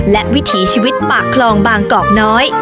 และวิถีชีวิตปากคลองบางกอกน้อย